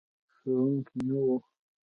ښوونکی نه و.